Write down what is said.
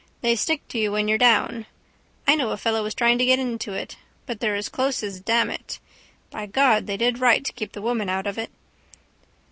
They stick to you when you're down. I know a fellow was trying to get into it. But they're as close as damn it. By God they did right to keep the women out of it.